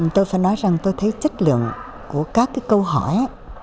tôi phải nói rằng tôi thấy chất lượng của các cái câu hỏi